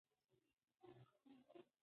دا کیسه به زه کله هم له یاده ونه باسم.